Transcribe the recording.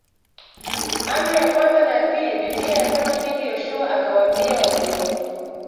Amri ya kwanza na ya Pili Biblia yasema hivi Yoshua akawaambia watu wote